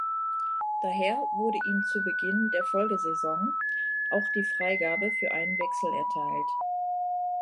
Daher wurde ihm zu Beginn der Folgesaison auch die Freigabe für einen Wechsel erteilt.